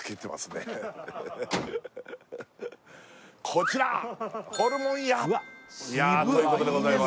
こちらホルモンやいやということでございます